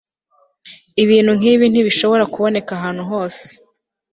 ibintu nkibi ntibishobora kuboneka ahantu hose